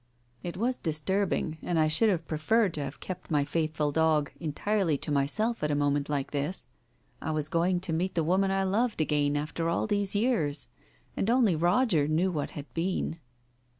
It was disturbing, and I should have pre ferred to have kept my faithful dog entirely to myself at a moment like this. I was going to meet the woman I loved again after all these years. And only Roger knew what had been.